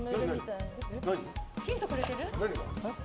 ヒントくれてる？